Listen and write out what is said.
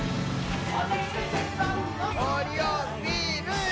オリオンビール！